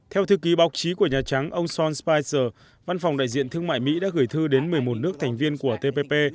theo thư ký báo chí của nhà trắng ông son spicer văn phòng đại diện thương mại mỹ đã gửi thư đến một mươi một nước thành viên của tpp